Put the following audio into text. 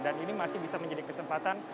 dan ini masih bisa menjadi kesempatan